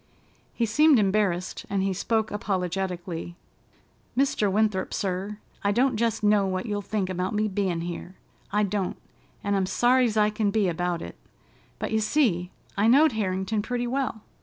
He seemed embarrassed and he spoke apologetically: "Mr. Winthrop, sir, I don't jest know what you'll think about me bein' here—I don't, and I'm sorry's I can be about it; but, you see, I knowed Harrington pretty well.